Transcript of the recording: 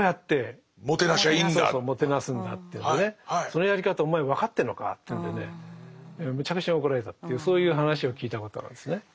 そのやり方をお前分かってんのか？というんでねむちゃくちゃ怒られたっていうそういう話を聞いたことがあるんですね。